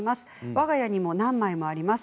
わが家にも何枚もあります。